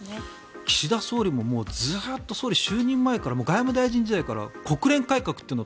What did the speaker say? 岸田総理もずっと総理就任前から外務大臣時代から国連改革というのを